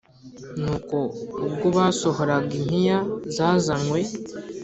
Nuko ubwo basohoraga impiya zazanywe